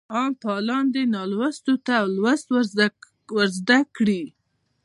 عام فعالان دي نالوستو ته لوست ورزده کړي.